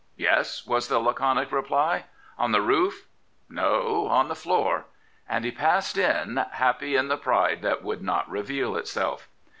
"Yes," was the laconic reply. "On the roof?" " No, on the floor." And he passed in, happy in the pride that would not reveal itself.